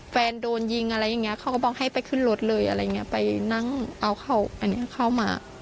โดนยิงอะไรอย่างเงี้เขาก็บอกให้ไปขึ้นรถเลยอะไรอย่างเงี้ยไปนั่งเอาเข้าอันนี้เข้ามา